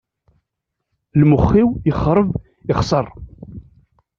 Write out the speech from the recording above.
Imuxx-iw yexreb yexseṛ.